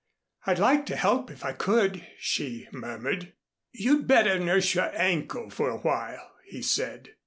"I'd like to help, if I could," she murmured. "You'd better nurse your ankle for a while," he said.